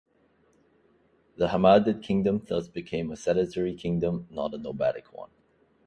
The Hammadid kingdom thus becomes a sedentary kingdom and not nomadic one.